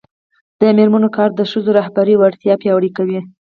د میرمنو کار د ښځو رهبري وړتیا پیاوړې کوي.